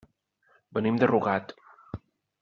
Venim de Rugat.